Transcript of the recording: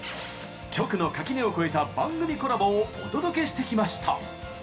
局の垣根を越えた番組コラボをお届けしてきました。